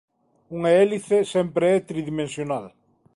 Unha hélice sempre é tridimensional.